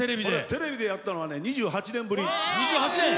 テレビでやったのは２８年ぶり。